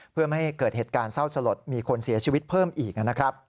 เพื่อไม่ให้เกิดเหตุการณ์เศร้าสลดมีคนเสียชีวิตเพิ่มอีกนะครับ